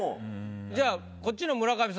じゃあこっちの村上さん